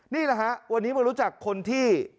นี่แหละฮะวันนี้มารู้จักคนที่